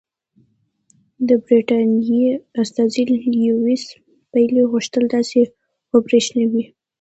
د برټانیې استازي لیویس پیلي غوښتل داسې وبرېښوي.